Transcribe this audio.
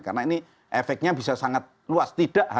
karena ini efeknya bisa sangat luas